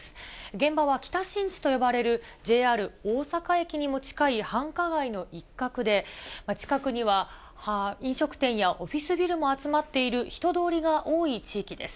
現場は北新地と呼ばれる、ＪＲ大阪駅にも近い繁華街の一角で、近くには飲食店やオフィスビルも集まっている人通りが多い地域です。